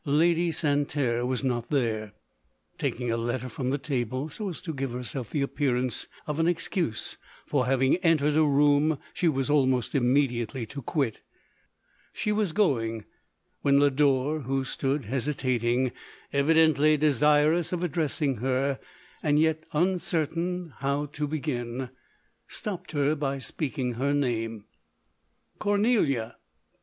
Lady Santerre was not there. Taking a letter from the table, so to give herself the appearance of an excuse for having entered a room she was about immediately to quit, she was going, when Lodore, who stood hesitating, evidently desirous of addressing her, and yet uncertain how to h 2 148 LODORE. begin, stopped her by speaking her name, "Cornelia!"